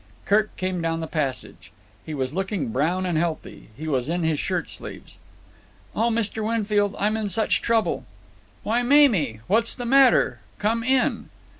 Kirk came down the passage. He was looking brown and healthy. He was in his shirt sleeves. "Oh, Mr. Winfield. I'm in such trouble." "Why, Mamie! What's the matter? Come in."